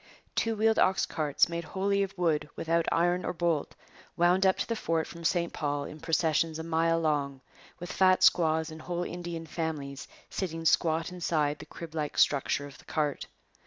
Two wheeled ox carts, made wholly of wood, without iron or bolt, wound up to the fort from St Paul in processions a mile long, with fat squaws and whole Indian families sitting squat inside the crib like structure of the cart.